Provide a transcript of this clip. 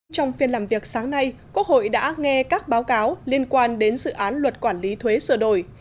trong phiên làm việc sáng nay quốc hội đã nghe các báo cáo liên quan đến dự án luật quản lý thuế sửa đổi